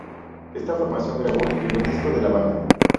Esta formación grabó el primer disco de la banda.